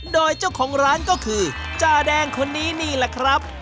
โดยเจ้าของร้านก็คือจาแดงคนนี้นี่แหละครับ